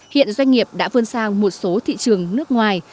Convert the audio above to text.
hiện doanh nghiệp đã vươn sang một số thị trường nước ngoài